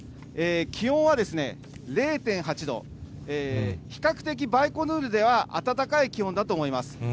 気温はですね、０．８度、比較的バイコヌールでは暖かい気温だと思います。